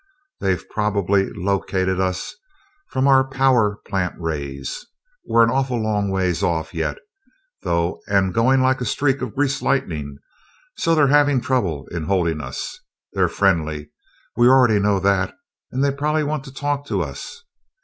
They've probably located us from our power plant rays. We're an awful long ways off yet, though, and going like a streak of greased lightning, so they're having trouble in holding us. They're friendly, we already know that they probably want to talk to us.